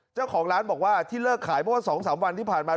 เจ้าของร้านบอกว่าที่เลิกขายเมื่อ๒๓วันที่ผ่านมา